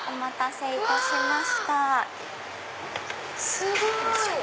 すごい！